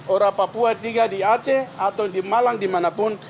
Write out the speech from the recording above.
orang papua tinggal di aceh atau di malang dimanapun